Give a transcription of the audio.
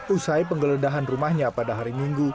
usai penggeledahan rumahnya pada hari minggu